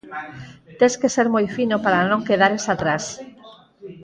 "Tes que ser moi fino para non quedares atrás".